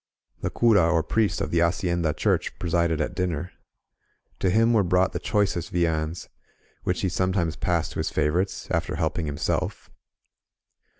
The cura or priest of the hacienda church presided at dinner. To him were brought the choicest viands, which he sometimes passed to his favorites after help ing himself.